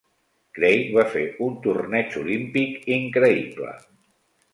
Craig va fer un torneig olímpic increïble.